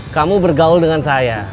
kamu bergaul dengan saya